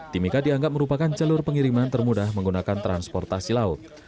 timika dianggap merupakan jalur pengiriman termudah menggunakan transportasi laut